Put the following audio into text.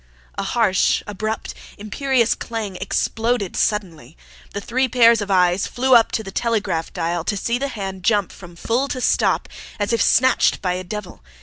A harsh, abrupt, imperious clang exploded suddenly. The three pairs of eyes flew up to the telegraph dial to see the hand jump from FULL to STOP, as if snatched by a devil.